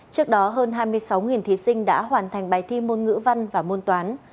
trước đó hơn hai mươi sáu thí sinh đã hoàn thành bài thi môn ngữ văn và môn toán